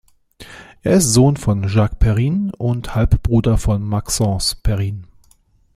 Er ist Sohn von Jacques Perrin und Halbbruder von Maxence Perrin.